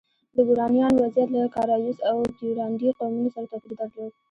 د ګورانیانو وضعیت له کارایوس او کیورانډي قومونو سره توپیر درلود.